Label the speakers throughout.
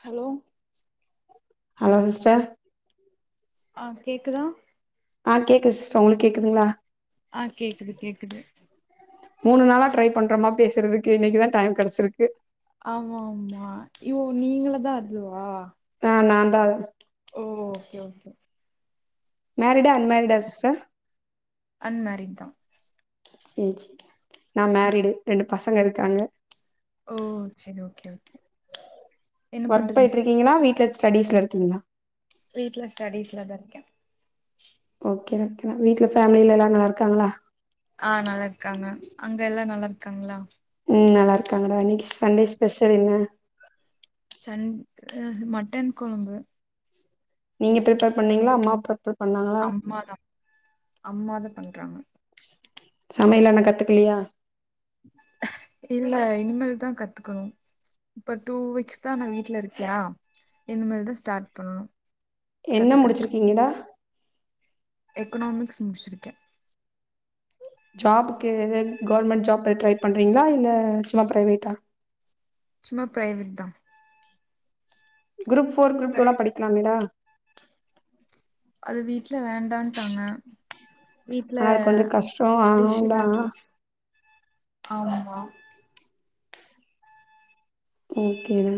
Speaker 1: hello
Speaker 2: hello sister
Speaker 1: ஆ கேக்குதா
Speaker 2: ஆ கேக்குது சிஸ்டர் உங்களுக்கு கேக்குதுங்களா
Speaker 1: ஆ கேக்குது கேக்குது
Speaker 2: மூணு நாளா ட்ரை பண்றோமா பேசுறதுக்கு இன்னக்கு தா டைம் கெடச்சிருக்கு
Speaker 1: ஆமா ஆமா யோ நீங்களு தா அதுவா
Speaker 2: ஆ நான் தா அது
Speaker 1: ஓ ஓகே ஓகே
Speaker 2: மேரீடா அன்மேரீடா சிஸ்டர்
Speaker 1: அன்மேரீட் தா
Speaker 2: செரி செ செ செ நா மரீடு ரெண்டு பசங்க இருக்காங்க
Speaker 1: ஓ செரி ஓகே ஓகே என்ன
Speaker 2: ஒர்க்
Speaker 1: பண்றீங்க
Speaker 2: பேயிட்டுருக்கீங்களா வீட்ல ஸ்டடீஸ்ல இருக்கீங்களா
Speaker 1: வீட்ல ஸ்டடீஸ்ல தா இருக்க
Speaker 2: ஓகே ஓகே வீட்ல ஃபேமில எல்லாரு நல்லா இருக்காங்களா
Speaker 1: ஆ நல்லா இருக்காங்க அங்க எல்லா நல்லா இருக்காங்களா
Speaker 2: ம் நல்லா இருக்காங்க டா இன்னக்கி சண்டே ஸ்பெஷல் என்ன
Speaker 1: சன் அ மட்டன் கொழம்பு
Speaker 2: நீங்க பிரிப்பர் பண்ணீங்களா அம்மா பிரிப்ப
Speaker 1: அம்மாதா அம்மாதா பண்றாங்க
Speaker 2: சமையல் ஆனா கத்துக்கலையா
Speaker 1: இல்ல இனிமேல் தா கத்துக்கணு இப்ப டூ வீக்ஸ் தா நா வீட்டல இருக்க இனி மேல் தா ஸ்டார்ட் பண்ணனு
Speaker 2: என்ன முடிச்சிருக்கீங்கடா
Speaker 1: எக்கனாமிக்ஸ் முடிச்சிருக்க
Speaker 2: ஜாபுக்கு கவர்மெண்ட் ஜாப் ட்ரை பண்றீங்களா இல்ல சும்மா ப்ரைவேட்டா
Speaker 1: சும்மா பிரைவேட் தா
Speaker 2: குரூப் ஃபோர் குரூப்
Speaker 1: தா
Speaker 2: டூவெல்லா படிக்கலாமேடா
Speaker 1: அது வீட்ல வேண்டான்டாங்க வீட்ல
Speaker 2: ஆனா அது கொஞ்சோ கஷ்டோ
Speaker 1: டிஷ்
Speaker 2: ஆதா
Speaker 1: நாக்கி
Speaker 2: ஓகேடா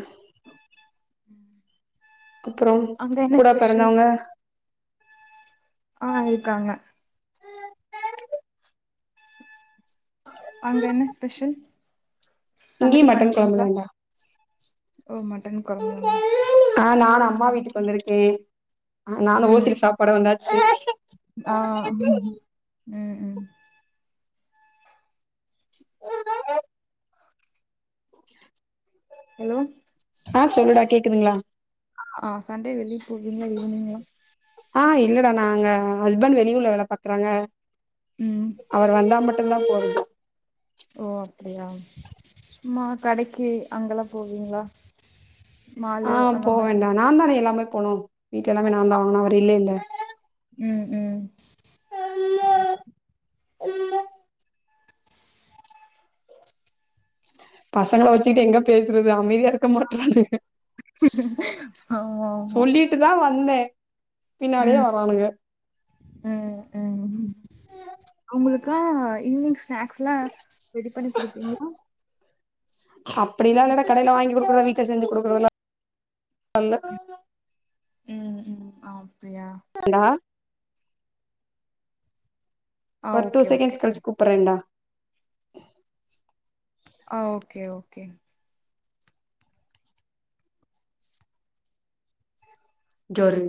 Speaker 2: அப்ரோ
Speaker 1: அங்க என்ன
Speaker 2: கூடா
Speaker 1: ஸ்பெஷல்
Speaker 2: பெறந்தவங்க
Speaker 1: ஆ இருக்காங்க அங்க என்ன ஸ்பெஷல்
Speaker 2: இங்கேயு
Speaker 1: சமையல்
Speaker 2: மட்டன் கொழம்பு
Speaker 1: பண்ணிட்டீங்ளா
Speaker 2: தான்டா
Speaker 1: ஓ மட்டன் கொழும்பா
Speaker 2: ஆ நான் அம்மா வீட்டுக்கு வந்துருக்கே ஆ நானு
Speaker 1: ம்
Speaker 2: ஓசில சாப்பாட வந்தாச்சி
Speaker 1: உம் உம் ஹலோ
Speaker 2: ஆ சொல்லுடா கேக்குதுங்ளா
Speaker 1: ஆ சண்டே வெளியே போவீங்ளா ஈவினிங்லா
Speaker 2: ஆ இல்லடா நாங்க ஹஸ்பண்ட் வெளி ஊர்ல வேல பாக்குறாங்க
Speaker 1: ம்
Speaker 2: அவர் வந்தா மட்டுதா போறது
Speaker 1: ஓ அப்டியா சும்மா கடைக்கு அங்கெல்லா போவீங்ளா
Speaker 2: ஆ
Speaker 1: மாலு அந்த மாரி
Speaker 2: போவேண்டா நா தானே எல்லாமே போனோ வீட்ல எல்லாமே நா தா வாங்கனு அவரு இல்லேல
Speaker 1: உம் உம்
Speaker 2: இல்லேல்ல பசங்கள வச்சிட்டு எங்க பேசுறது அமைதியா இருக்க மாற்றானுங்க
Speaker 1: ஆமா ஆமா
Speaker 2: விட்டு தா வந்த பின்னாடியே வரானுங்க
Speaker 1: அ அ ம் அவங்களுக்காலா ஈவினிங் ஸ்நாக்ஸ்ல்லா ரெடி பண்ணி குடுப்பீங்ளா
Speaker 2: அப்டிலா இல்டா கடையில வாங்கி குடுக்குறத வீட்ல செஞ்சு குடுக்குறதல்லா [inaudible] இல்ல
Speaker 1: ம் ம் அப்டியா
Speaker 2: ல்லா
Speaker 1: ஆ
Speaker 2: ஒரு டூ
Speaker 1: ஓகே ஓகே
Speaker 2: செகண்ட்ஸ் கழிச்சி கூப்புறண்டா
Speaker 1: ஆ ஓகே ஓகே
Speaker 2: சேரி